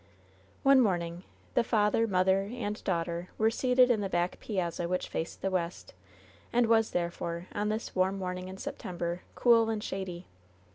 One morning the father, mother and daughter were seated in the back piazza which faced the west, and was therefore, on this warm morning in September, cool and shady.